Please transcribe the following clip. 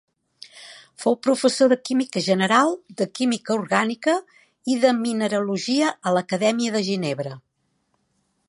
Fou professor de química general, de química orgànica i de mineralogia a l'Acadèmia de Ginebra.